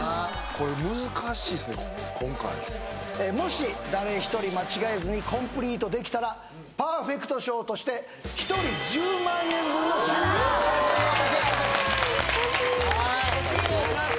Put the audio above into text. これ難しいっすね今回もし誰一人間違えずにコンプリートできたらパーフェクト賞として１人１０万円分の旬の食材盛り合わせゲットです欲しい・